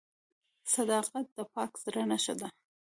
• صداقت د پاک زړه نښه ده.